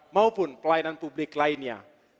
maupun pelayanan publik lainnya